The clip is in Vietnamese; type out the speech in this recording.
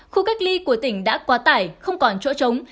khu cách ly của tỉnh đã quá tải không còn chỗ trống